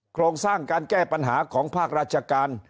โครงสร้างการแก้ปัญหาของภาคราชการ